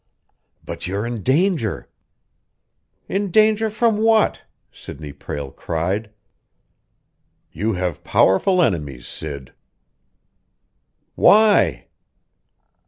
"But you're in danger!" "In danger from what?" Sidney Prale cried. "You have powerful enemies, Sid." "Why?"